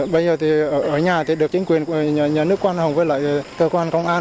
bây giờ thì ở nhà thì được chính quyền nhà nước quan hồng với lại cơ quan công an